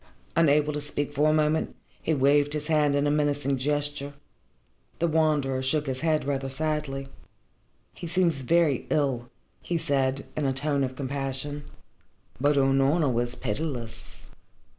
Unable to speak for the moment, he waved his hand in a menacing gesture. The Wanderer shook his head rather sadly. "He seems very ill," he said, in a tone of compassion. But Unorna was pitiless.